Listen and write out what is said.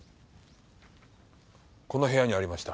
この部屋にありました。